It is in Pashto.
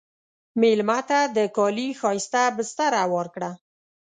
مېلمه ته د کالي ښایسته بستر هوار کړه.